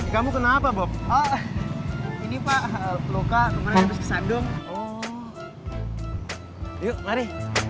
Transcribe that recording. kamu kenapa bob ini pak peluka kemarin kesandung yuk mari